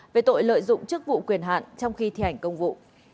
về tội lợi dụng chức vụ quyền hạn trong khi thi hành công vụ